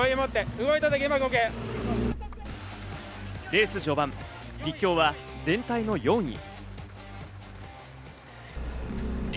レース序盤、立教は全体の４位。